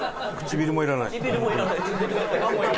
唇もいらない？